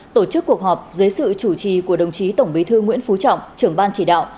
tổ chức cuộc họp dưới sự chủ trì của đồng chí tổng bí thư nguyễn phú trọng trưởng ban chỉ đạo